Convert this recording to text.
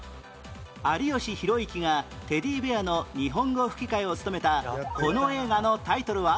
有吉弘行がテディベアの日本語吹き替えを務めたこの映画のタイトルは？